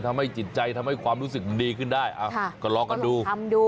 จะทำให้จิตใจทำให้ความรู้สึกดีขึ้นได้อ่ะก็ลองกันดู